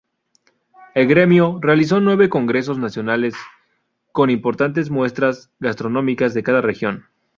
El gremio realizó nueve congresos nacionales con importantes muestras gastronómicas de cada región.